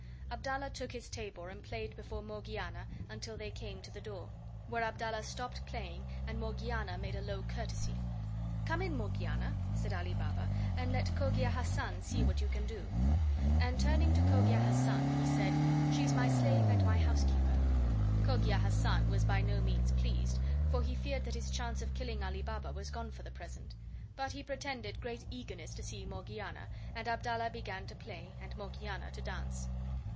Abdallah took his tabor and played before Morgiana until they came to the door, where Abdallah stopped playing and Morgiana made a low courtesy. "Come in, Morgiana," said Ali Baba, "and let Cogia Hassan see what you can do"; and, turning to Cogia Hassan, he said: "She's my slave and my housekeeper." Cogia Hassan was by no means pleased, for he feared that his chance of killing Ali Baba was gone for the present; but he pretended great eagerness to see Morgiana, and Abdallah began to play and Morgiana to dance.